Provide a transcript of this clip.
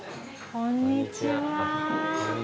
こんにちは。